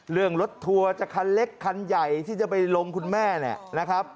เรื่องรถทัวร์จะคันเล็กคันใหญ่ที่จะไปลงคุณแม่นะครับ